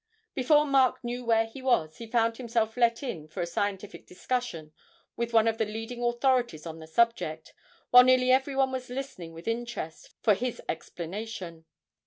Before Mark knew where he was, he found himself let in for a scientific discussion with one of the leading authorities on the subject, while nearly everyone was listening with interest for his explanation.